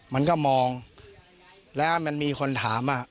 มันก็มองแล้วมันมีคนถามอ่ะ